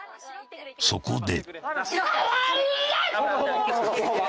［そこで］